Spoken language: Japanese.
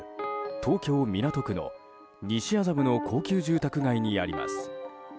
東京・港区の西麻布の高級住宅街にあります。